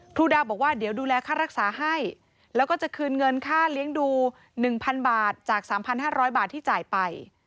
ครูดาวบอกว่าเดี๋ยวดูแลค่ารักษาให้แล้วก็จะคืนเงินค่าเลี้ยงดู๑๐๐๐บาทจาก๓๕๐๐บาทที่จ่ายไป